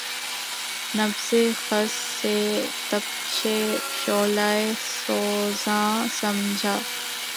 نبضِ خس سے تپشِ شعلہٴ سوزاں سمجھا